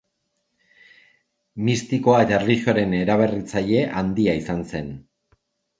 Mistikoa eta erlijioaren eraberritzaile handia izan zen.